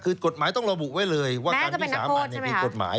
คือกฎหมายต้องระบุไว้เลยว่าการวิสามันมีกฎหมาย